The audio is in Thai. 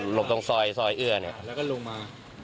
บตรงซอยเอื้อเนี่ยแล้วก็ลงมา